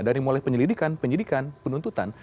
dari mulai penyelidikan penyidikan penuntutan